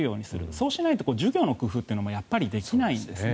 そうしないと授業の工夫もやっぱりできないんですね。